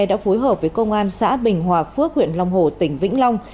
đã phối hợp với công an xã bình hòa phước huyện long hồ tỉnh vĩnh long